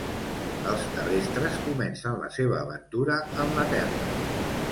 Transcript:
Els terrestres comencen la seva aventura en la Terra.